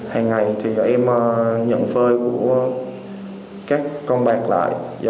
hàng ngày thì em nhận phơi của các con bạc lại